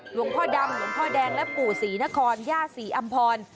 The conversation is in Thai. หลวงพ่อดำหลวงพ่อแดงและปู่ศรีนครย่าศรีอำพร